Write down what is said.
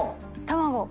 卵？